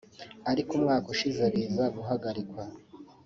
ariko mu mwaka ushize biza guhagarikwa